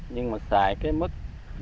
nhưng mà xài cái mức